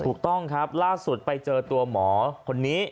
ถูกต้องครับล่าสุดไปเจอตัวหมอคนนี้